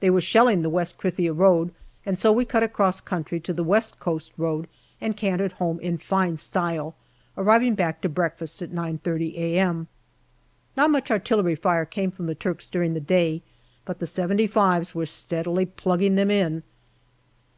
They were shelling the West Krithia road, and so we cut across country to the West Coast road, and cantered home in fine style, arriving back to breakfast at 9.30 a.m. Not much artillery fire came from the Turks during the day, but the "75's" were steadily plugging them in.